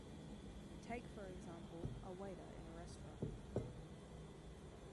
Take for example, a waiter in a restaurant.